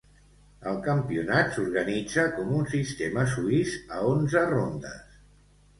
El campionat s'organitza com un sistema suís a onze rondes.